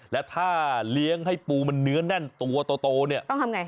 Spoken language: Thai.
และถ้าเลี้ยงให้ปูมันเนื้อแน่นตัวโตเนี่ยต้องทำไง